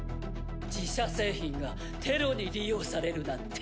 自社製品がテロに利用されるなんて。